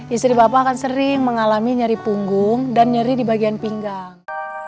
istri bapak akan sering mengalami nyeri punggung dan nyeri di bagian pinggang